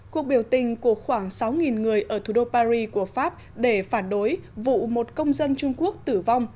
cuộc biểu tình của khoảng sáu người ở thủ đô paris của pháp để phản đối vụ một công dân trung quốc tử vong